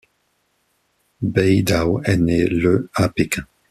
Bei Dao est né le à Pékin.